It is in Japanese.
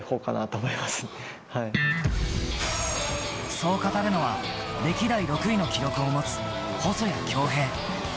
そう語るのは歴代６位の記録を持つ細谷恭平。